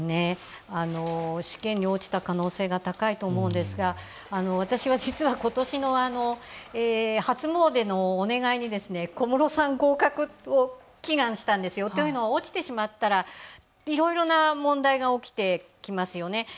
試験に落ちた可能性が高いと思うんですが私は実は今年の初詣のお願いに小室さん合格を祈願したんですよ。というのは落ちてしまったら、いろいろな問題が起きてきますよね。